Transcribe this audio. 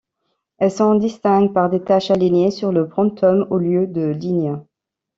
Elle s'en distingue par des taches alignées sur le pronotum au lieu de lignes.